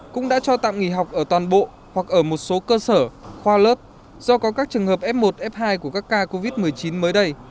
cũng đã cho tạm nghỉ học ở toàn bộ hoặc ở một số cơ sở khoa lớp do có các trường hợp f một f hai của các ca covid một mươi chín mới đây